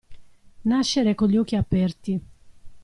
Nascere con gli occhi aperti.